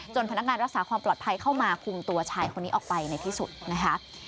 พนักงานรักษาความปลอดภัยเข้ามาคุมตัวชายคนนี้ออกไปในที่สุดนะคะ